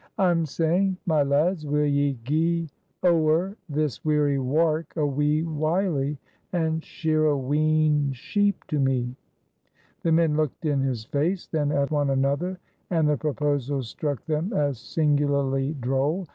"I'm saying my lads will ye gie ower this weary warrk a wee whilee and sheer a wheen sheep to me?" The men looked in his face, then at one another, and the proposal struck them as singularly droll.